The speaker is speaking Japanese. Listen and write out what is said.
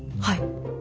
はい。